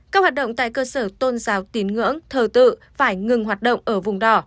các hoạt động tại cơ sở tôn giáo tín ngưỡng thờ tự phải ngừng hoạt động ở vùng đỏ